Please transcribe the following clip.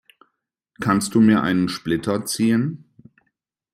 Kannst du mir einen Splitter ziehen?